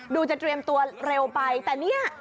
จะเตรียมตัวเร็วไปแต่เนี่ย